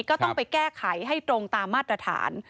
ก็ต้องไปแก้ไขให้ตรงตามมาตรฐาน